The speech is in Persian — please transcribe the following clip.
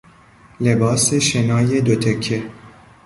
لباس شنای دو تکه